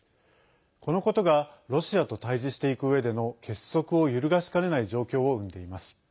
このことがロシアと対じしていくうえでの結束を揺るがしかねない状況を生んでいます。